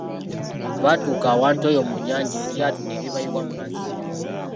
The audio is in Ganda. Baatuuka awantu eyo mu nnyanja eryato ne libayiwa mu mazzi.